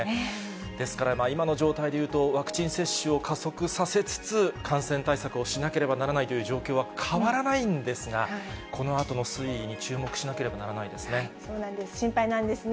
ですから、今の状態で言うと、ワクチン接種を加速させつつ、感染対策をしなければならないという状況は変わらないんですが、このあとの推移に注目しなければならないですね。